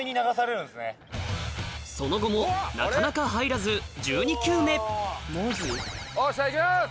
その後もなかなか入らず１２球目よっしゃいきます！